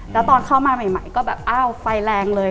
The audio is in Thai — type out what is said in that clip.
แล้วตอนเข้ามาใหม่ก็แบบอ้าวไฟแรงเลย